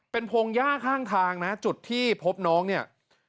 เป็นพงหญ้าข้างทางนะจุดที่พบน้องเนี่ย